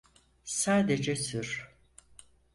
Sadece sür.